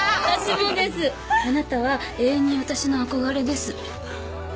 あなたは永遠に私の憧れです。